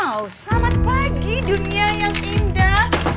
wow selamat pagi dunia yang indah